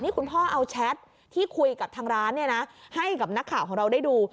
คุณพ่อเอาแชทที่คุยกับทางร้านให้กับนักข่าวของเราได้ดู